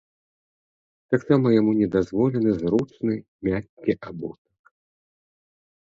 Таксама яму не дазволены зручны мяккі абутак.